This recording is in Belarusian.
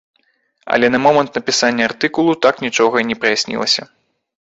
Але на момант напісання артыкулу так нічога і не праяснілася.